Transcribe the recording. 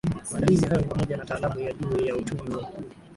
Maandalizi hayo ni pamoja na taaluma ya juu ya uchumi huo